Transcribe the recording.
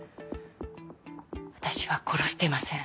私は殺してません。